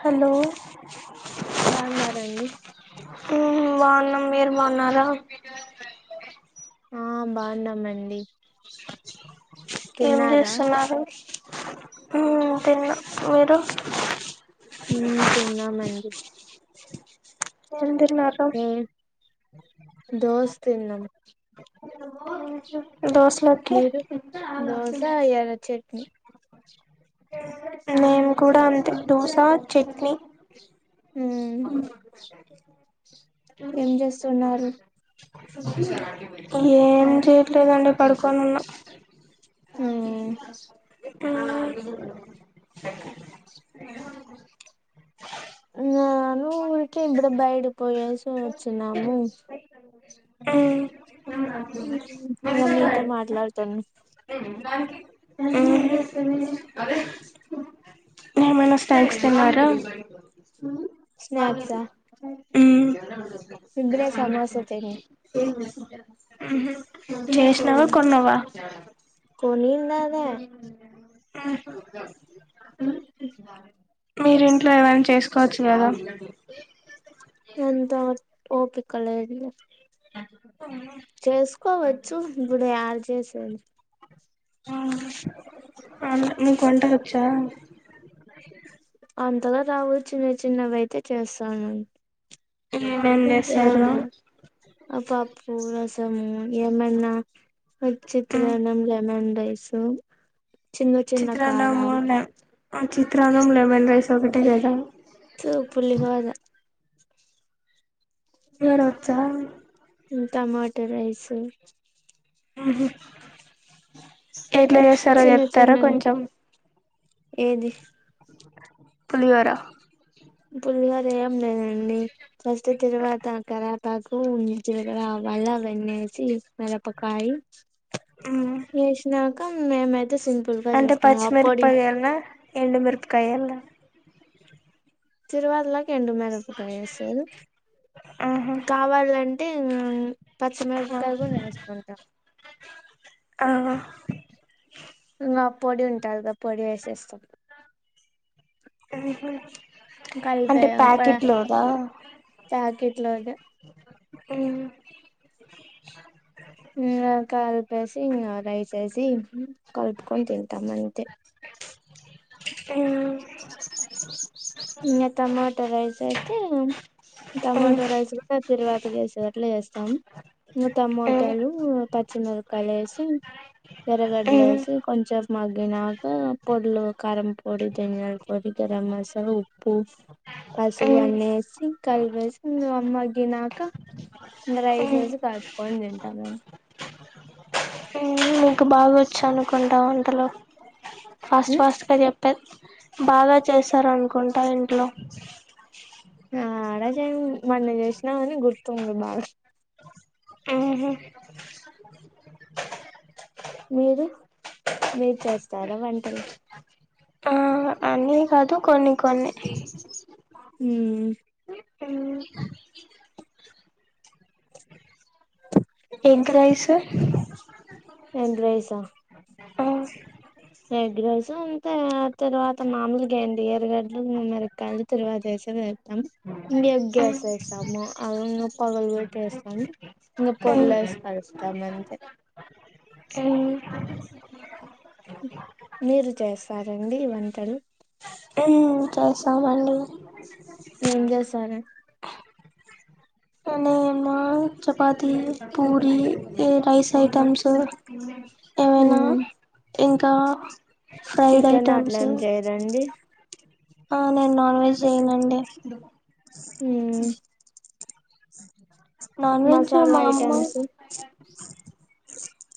Hollow బాగున్నారండి హు బావున్నం మీరు బావున్నారా ఆ బాన్నామండి ఏం చేస్తున్నారు హు తిన్నా మీరు ఉం తిన్నా మండి ఏంది ఉం దోస తిన్నాం ఉహూ దోసలోకి మీరు దోశ ఎర్ర చట్నీ మేము కూడా అంతే దోస చట్నీ ఉం ఏం చేస్తున్నారు ఏం చేయట్లేదండి పడుకొనున్న మ్మ్ అ [unintelligible] ఆ నేను ఊరికే ఇప్పుడే బయటికిపోయేసి వచ్చినాము [inaudible] ఇంగ మీతో మాట్లాడుతున్నా ఏం చేస్తున్నారు ఏమైనా స్నాక్స్ తిన్నారా స్నాక్స్ ఆ ఉం ఇప్పుడే సమోసా తిన్నా ఉహు చేసినవా కొన్నావా కొనిన్నవే హు మీరూ ఇంట్లో ఏమనా చేస్ కోవచ్చు కదా అంత ఓపిక లేదు లే చేసుకోవచ్చు ఇప్పుడు యాడ చేసేది ఆ అ మీకు వంట వచ్చా అంతగా రావు చిన్న చిన్నవైతే చేస్తాను ఏమేం ఏంట చేస్తారు అ పప్పు రస త్తము ఏమన్న చిత్రనం లెమన్ రైస్ చిన్న చిన్న కారాలు చిత్రాన్నంలె ఆ చిత్రాన్నం లెమన్ రైస్ ఒకటే కదా పులిహోర [unintelligible] వచ్చా టమాటా రైస్ ఉహు ఎట్లా చేస్తారో చిన్న చెప్తారా చిన్నగా కొంచెం ఏది పులిగోర పుల్లిగోర ఏం లేదండి ఫస్ట్ తిరువాతా అక్కరా ఆకు జీలకర్ర మళ్ళ అవన్నీ వేసి మిరపకాయి ఉమ్ వేసినాక మే మే అంటే పచ్చిమిరపకాయ వేయాలనా ఎండు మిరపకాయ వేయాలనా చిరువాలకు ఎండు మిరపకాయ వేస్తారు ఆహా కావాలంటే పచ్చిమిరపకాయ కూడా వేస్తుంటాం ఆ పొడి ఉంటాదిగా పొడి వేసేస్తాం కలిపే అంటే ప ప్యాకెట్ లోదా ప్యాకెట్లోది ఉమ్ ఇంగా కలిపేసి ఇంగా రైస్ వేసి కలుపుకొని తింటాం అంతే ఉమ్ ఇంగా టమాటా రైస్ అయితే ఉమ్ ఉమ్ టమాటో రైస్ కూడా తిరువాతి చేసేది అట్లే చేసి టమోటాలు పచ్చిమిరకాయలు వేసి ఉమ్ ఎర్రగడ్డలేసి కొంచెం మగ్గినాక పొడ్లు కారం పొడి, దనియాల పొడి, గరం మసాలా, ఉప్పు పూ ఉమ్ పసుపు ఉమ్ అన్నేసి కలిపేసి మగ్గినాక ఇంగా రైస్ ఉమ్ ఏసి కలుపుకొని తింటాం మేం మీకు బాగా వచ్చు అనుకుంటా వంటలు ఫాస్ట్ ఉమ్ ఫాస్ట్ గా చెప్ బాగా చేస్తారనుకుంటా ఇంట్లో ఆడచేయం మొన్న చేసినామని గుర్తుంది బాగా ఉహు మీరు మీరు చేస్తారా వంటలు ఆ అన్నీ కాదు కొన్ని కొన్ని ఉమ్ ఎగ్ రైసు ఎగ్ రైస్ ఆ ఉమ్ ఎగ్ రైస్ అంతే తర్వాత మామూలుగా ఏంది ఎర్రగడ్లు, మిరపకాయలు తర్వాతేసి వేస్తాం ఇంగా ఎగ్ వేసేస్తాం అవి ఇంగా పగలగొట్టి వేస్తాం ఇంగా పొడులేసి కలుపుతాము అంతే ఉమ్ మీరు చేస్తారండి వంటలు ఉమ్ చేస్తామండి ఏం చేశారు నేమా చపాతి, పూరి ఈ రైస్ ఐటమ్స్ ఏమైనా మ్మ్ ఇంకా ఫ్రైడ్ చికెన్ అట్లా ఐటమ్స్ ఏం చేయరండి ఆ నేను నాన్ వెజ్ చేయనండి హు నాన్ వెజ్ మసాలా మా అమ్మ ఐటమ్స్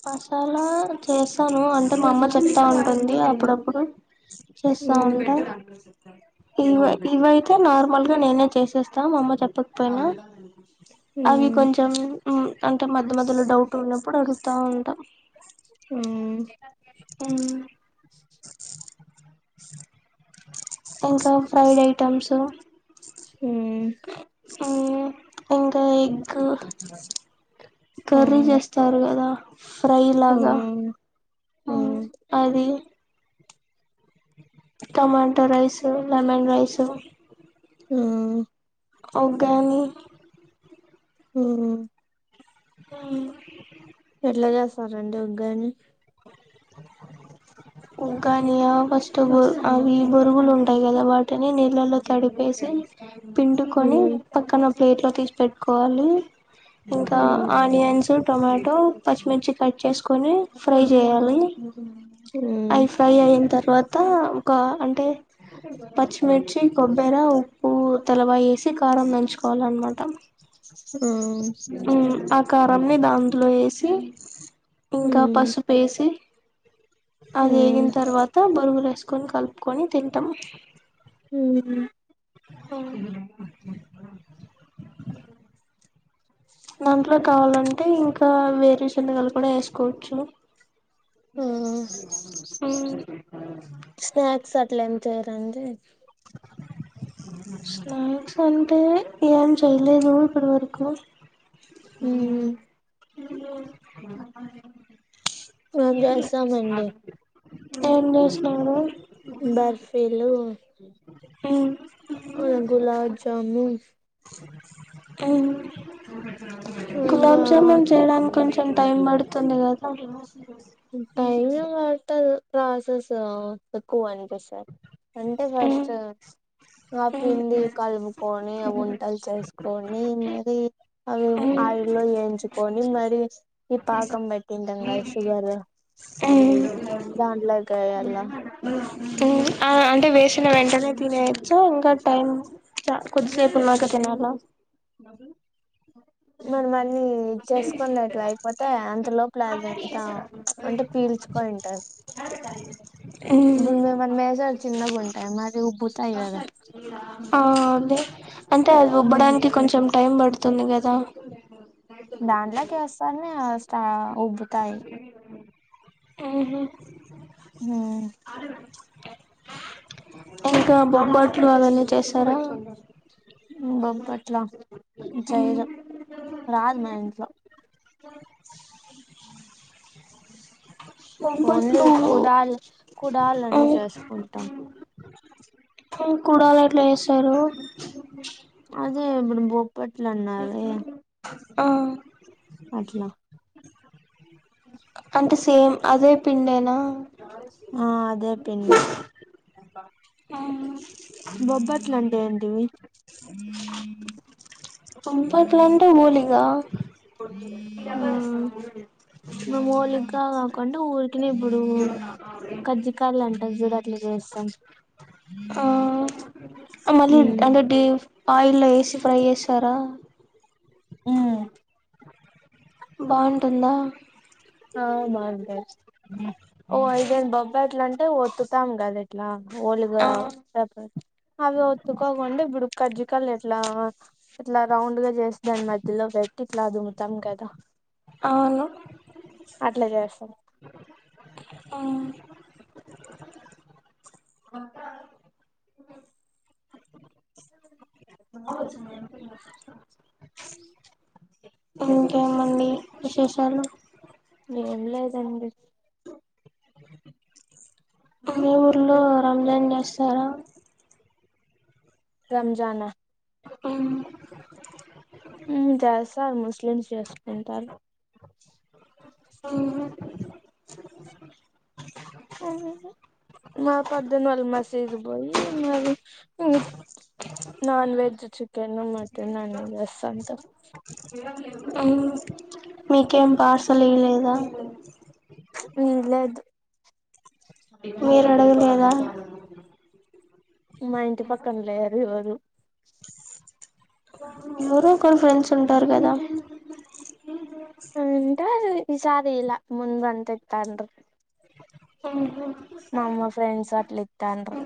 హాస్టల్ల చేస్తాను అంటే మా అమ్మ చెప్తా ఉంటుంది అప్పుడప్పుడు చేస్తా మ్మ్ ఉంటా ఇవ ఇవైతే నార్మల్గా నేనే చేసేస్తా మా అమ్మ చెప్పకపోయినా అవి మ్మ్ కొంచెం అంటే మధ్య మధ్యలో డౌట్ ఉన్నప్పుడు అడు ఉంటా మ్మ్ ఉమ్ ఇంకా ఫ్రైడ్ ఐటమ్స్ మ్మ్ ఆ ఇంకా ఎగ్ కర్రీ చేస్తారు కదా ఫ్రై లాగా మ్ ఎ టమాట రైసు లెమన్ రైసు మ్మ్ ఒగ్గాని మ్ మ్ ఎలా చేస్తారు అండి ఒగ్గాని కానీ ఫస్ట్ బ అవి బొరుగులు ఉంటాయి కదా వాటిని నీళ్ళల్లో తడిపేసి పిండుకొని పక్కన ప్లేట్ లో తీసి పెట్టుకోవాలి ఇంకా ఆనియన్స్ టొమాటో పచ్చిమిర్చి కట్ చేసుకొని ఫ్రై చేయాలి అవి ఫ్రై అయిన తర్వాత ఒక అంటే పచ్చిమిర్చి కొబ్బర ఉప్పు తెలవా వేసి కారం నంచుకోవాల అన్నమాట ఆ కారంని దాట్లో వేసి ఇంకా పసుపేసి అది ఎగిన తర్వాత బొరుగులు వేసుకొని కలుపుకొని తింటాము హ్మ్ అవును దాంట్లో కావాలంటే ఇంకా వేరి శనగాలు కూడా వేసుకోవచ్చు మ్ ట్లేం ఏం చేయరా అండి స్నాక్స్ అంటే ఏం చేయలేదు ఇప్పటి వరకు మ్ ఏమో చెప్పాలి ఫోన్ జేసామండి ఏం చేస్తున్నారు బర్ఫీలు అ గులాబ్ జాము అ ఇంకా గులాబ్ జామూన్ చేయడానికి కొంచెం టైమ్ పడుతుంది కద టైమ్ ఏం పట్టదు ప్రాసెసు ఎక్కువ ఎ సార్ అంటే ఫస్ట్ ఆ పిండి కలుపుకొని వంటలు చేసుకొని మరి అవి ఆయిల్లో ఎయించుకొని మరి ఈ పాకం బెట్టి ఉంటం కద షుగర్ దాంట్లో కేయలా అంటే వేసిన వెంటనే తినేయచ్చా ఇంకా టైం కొద్దిసేపు ఉన్నాక తినాల మరి మళ్లీ చేసుకున్నట్లా అయిపోతే అ ఇంతలో ప్లాజంత అంటే పీల్చుకోని ఉంటది ఇప్పుడు మనమేసం చిన్నగా ఉంటాయి మరి ఉబ్బుతాయి కదా ఆ అదే అంటే అది ఉబ్బడానికి కొంచెం టైం పడుతుంది కదా దాంట్లోకి వేస్తానే కాస్తా ఉబ్బుతాయి ఊహు హ్మ్ ఇంకా బొబ్బట్లు అలానే చేస్తారా బొబ్బట్లా చెయ్యరు రాదు మ ఇంట్లో ఓన్లీ బొబ్బట్లు కుడాల్ కుడాల్ ఆ అన్ని చేసుకుంటాం కుడాల్ ఎట్ల చేస్తారు అదే ఇప్పుడు బొబ్బట్లు అన్నావే హా అట్లా అంటే సేమ్ అదే పిండేనా ఆ అదే పిండే బొబ్బట్లు అంటే ఏంటివి బొబ్బట్లు అంటే వోలిగా డబల్ మేం వోలిగా కాకుండా ఊరికినే ఇప్పుడు కజ్జికాయలు అంటారు చూడు అట్లా చేస్తాం ఆ మళ్ళీ ఉమ్ అంటే డి ఆయిల్లో వేసి ఫ్రై చేస్తారా హ్మ్ బాగుంటుందా ఆ బావుంటది ఓ ఇఐదేను బొబ్బట్లు అంటే ఒత్తుతాం కదా ఎట్లా వోలిగా ఆ రావు అవి ఒత్తుకోకుండా ఇప్పుడు కజ్జికాయలు ఎట్లా ఎట్లా రౌండ్ గా చేసి దాని మధ్య లో పెట్టి ఇట్లా అదుముతాం కదా అవును అట్లే చేస్తాం ఇంకేమండి విశేషాలు ఏం లేదండి మీ ఊర్లో మీ రంజాన్ చేస్తార రంజనా హ్మ్ హ్మ్ చేస్తారు ముస్లిమ్స్ చేసుకుంటారు ఆ మా పద్దన్న వాళ్ళు మసీదు కి పోయి మరి ఇ నాన్ వెజ్ చికెన్ మటన్ అన్ని చేస్తుంటారు మీకేం పార్సల్ ఇవ్వలేదా ఇలేదు మీరు అడగలేదా మా ఇంటి పక్కన లేరు ఎవరు ఎవరో ఒకరు ఫ్రెండ్స్ ఉంటారు కదా ఉంటరు ఈసారి ఇలా ముందువి అంత ఇత్తండ్రు ఆహ మా అమ్మ ఫ్రెండ్స్ అట్ల ఇత్తండ్రు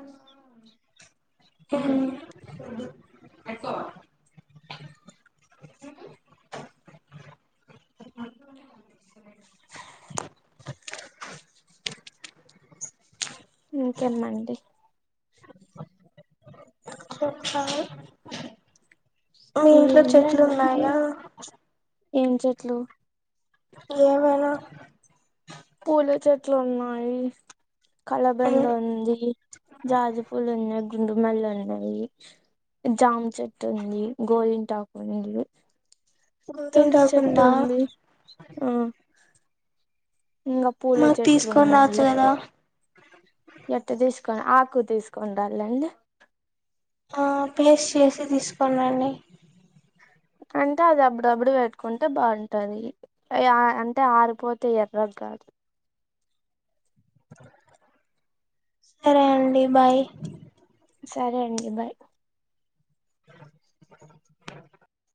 హ్మ్ ఇంకేమ్మండి చెప్పాలి మీ ఇంట్లో ఏం చెట్లు లేదు ఉన్నాయా ఏం చెట్లు ఏమేనా పూల చెట్లు ఉన్నాయి కలబంద ఉంది, జాజి పూలు ఉన్న గుండుమల్లె ఉన్నవి. జామ్ చెట్టు ఉంది, గోరింటాకు ఉంది. తుల్సి చెట్టు గోరింటాకుందా ఉంది ఆ ఇంగ పూల మాకు చెట్లు తీసుకొని ఉన్నవీ రావచ్చు కదా తొని ఆకు తీసుకుండళ్ళండి ఆ ప్లేస్ చేసి తీసుకోల్లండి అంటే అది అప్పుడప్పుడు బెట్టుకుంటే బావుంటది ఆయా అంటే ఆరిపోతే ఎర్రగ్ కాట్లే సరే అండి బాయ్ సరే అండి బాయ్